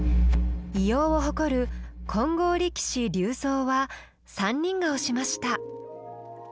威容を誇る「金剛力士立像」は３人が推しました。